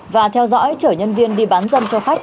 và theo dõi chở nhân viên đi bán dâm cho khách